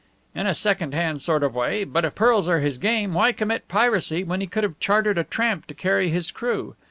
"In a second hand sort of way. But if pearls are his game, why commit piracy when he could have chartered a tramp to carry his crew?